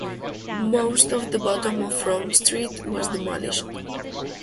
Most of the bottom of Front Street was demolished.